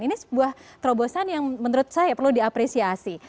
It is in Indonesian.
ini sebuah terobosan yang menurut saya perlu diapresiasi